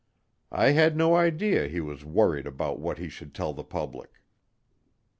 I had no idea he was worried about what he should tell the public.